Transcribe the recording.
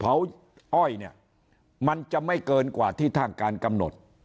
อ้อยเนี่ยมันจะไม่เกินกว่าที่ทางการกำหนด